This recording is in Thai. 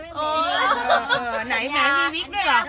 ไม่มี